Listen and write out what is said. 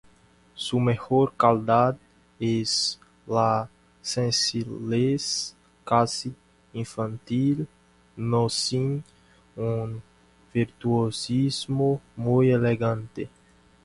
Su mejor cualidad es la sencillez casi infantil, no sin un virtuosismo muy elegante.